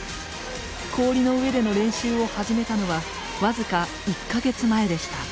氷の上での練習を始めたのは僅か１か月前でした。